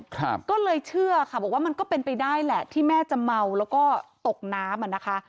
ก็เลยเชื่อค่ะบอกว่ามันก็เป็นไปได้แหละที่แม่จะเมาแล้วก็ตกน้ำอ่ะนะคะ